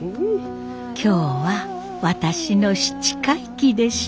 今日は私の七回忌でした。